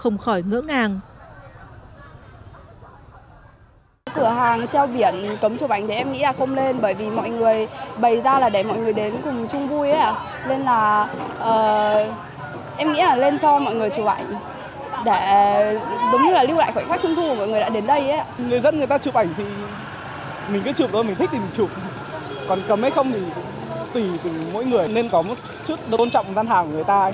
người dân người ta chụp ảnh thì mình cứ chụp đôi mình thích thì mình chụp còn cấm hay không thì tùy từ mỗi người nên có một chút tôn trọng gian hàng của người ta